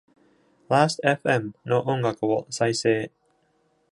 Lastfm の音楽を再生。